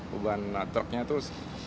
beban truknya itu